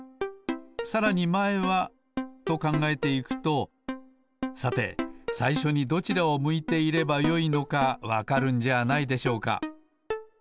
さらにまえはとかんがえていくとさてさいしょにどちらを向いていればよいのかわかるんじゃないでしょうか。